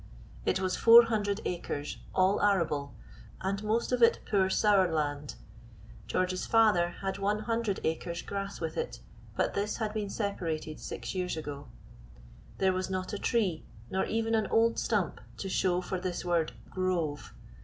It was four hundred acres, all arable, and most of it poor sour land. George's father had one hundred acres grass with it, but this had been separated six years ago. There was not a tree, nor even an old stump to show for this word "Grove."